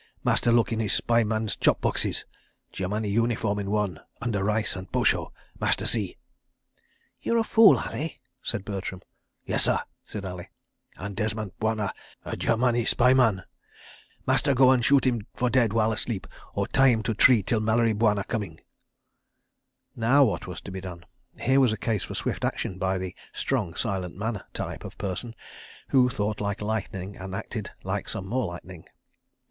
Master look in this spy man's chop boxes. Germani uniform in one—under rice and posho. Master see. ..." "You're a fool, Ali," said Bertram. "Yessah," said Ali, "and Desmont Bwana a Germani spy man. Master go an' shoot him for dead while asleep—or tie him to tree till Mallery Bwana coming. ..." Now what was to be done? Here was a case for swift action by the "strong silent man" type of person who thought like lightning and acted like some more lightning.